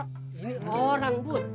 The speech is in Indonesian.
ini orang but